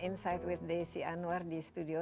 anda masih bersama insight with desi anwar di studio